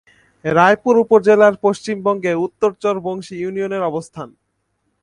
রায়পুর উপজেলার পশ্চিমাংশে উত্তর চর বংশী ইউনিয়নের অবস্থান।